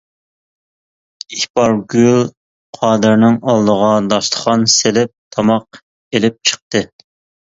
ئىپارگۈل قادىرنىڭ ئالدىغا داستىخان سېلىپ تاماق ئېلىپ چىقتى.